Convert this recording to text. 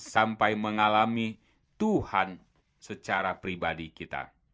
sampai mengalami tuhan secara pribadi kita